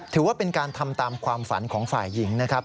ถือว่าเป็นการทำตามความฝันของฝ่ายหญิงนะครับ